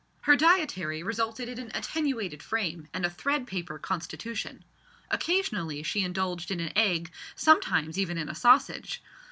Her dietary resulted in an attenuated frame and a thread paper constitution. Occasionally she indulged in an egg, sometimes even in a sausage.